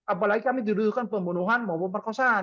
apalagi kami didudukan pembunuhan maupun perkosaan